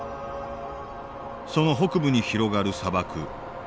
その北部に広がる砂漠。